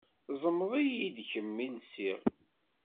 Ẓmeḍ-iyi d kemm i lsiɣ.